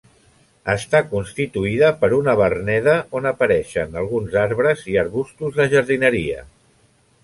Està constituïda per una verneda on apareixen alguns arbres i arbustos de jardineria.